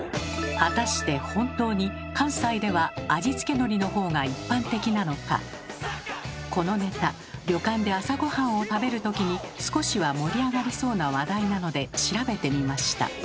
果たして本当にこのネタ旅館で朝ごはんを食べるときに少しは盛り上がりそうな話題なので調べてみました。